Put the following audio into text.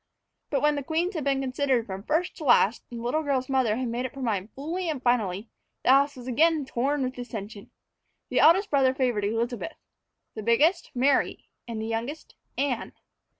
But when the queens had been considered from first to last, and the little girl's mother had made up her mind fully and finally, the house was again torn with dissension. The eldest brother favored Elizabeth; the biggest, Mary; and the youngest, Anne.